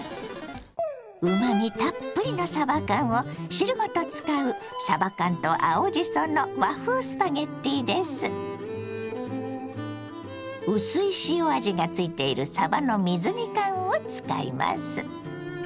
うまみたっぷりのさば缶を汁ごと使う薄い塩味がついているさばの水煮缶を使います。